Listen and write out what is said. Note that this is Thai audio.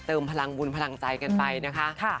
พลังบุญพลังใจกันไปนะคะ